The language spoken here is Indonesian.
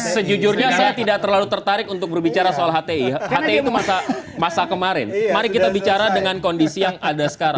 sejujurnya saya tidak terlalu tertarik untuk berbicara soal hti hti itu masa kemarin mari kita bicara dengan kondisi yang ada sekarang